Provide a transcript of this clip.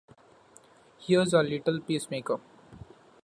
Here's our little peace-maker!